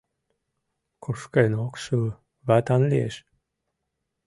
Кушкын ок шу, ватан лиеш.